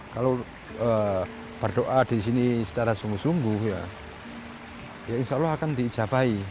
kalau berdoa di sini secara sungguh sungguh ya insya allah akan diijabai